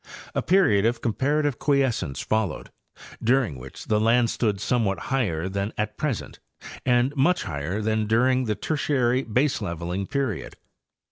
A period of comparative quiescence followed, during which the land stood somewhat higher than at present and much higher than during the Tertiary baseleveling period.